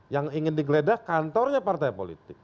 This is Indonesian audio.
yang ingin digeledah kantornya partai politik